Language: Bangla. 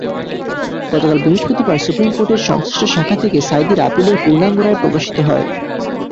গতকাল বৃহস্পতিবার সুপ্রিম কোর্টের সংশ্লিষ্ট শাখা থেকে সাঈদীর আপিলের পূর্ণাঙ্গ রায় প্রকাশিত হয়।